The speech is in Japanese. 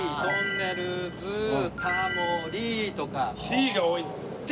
「Ｔ」が多いんです。